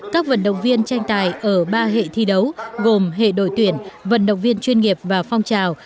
các vận động viên tranh tài ở ba hệ thi đấu gồm hệ đội tuyển vận động viên chuyên nghiệp và phong trào